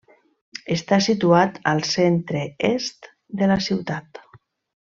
Està situat al centre est de la ciutat.